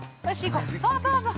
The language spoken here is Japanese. そうそうそう。